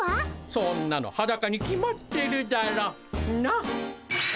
そんなのハダカに決まってるだろう。